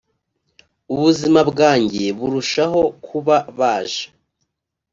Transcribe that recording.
ubuzima bwanjye burushaho kuba baje